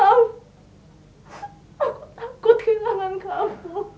aku takut kehilangan kamu